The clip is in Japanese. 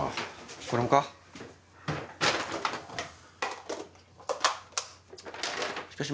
これもかしかし